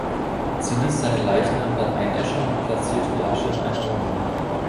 Sie ließ seinen Leichnam dann einäschern und platzierte die Asche in einer Urne.